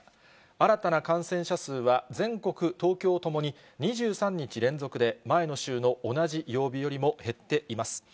新たな感染者数は、全国、東京ともに、２３日連続で前の週の同じ曜日よりも減っています。